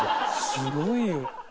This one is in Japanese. すごいよ。